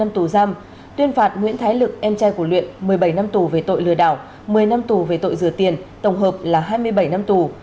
tòa án nhân dân tp hcm tuyên phạt nguyễn thái luyện một mươi bảy năm tù về tội lừa đảo một mươi năm tù về tội dừa tiền tổng hợp là hai mươi bảy năm tù